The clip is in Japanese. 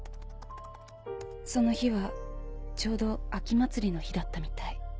その日はちょうど秋祭りの日だったみたい。